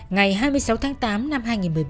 ngày hai mươi sáu tháng tám năm hai nghìn một mươi ba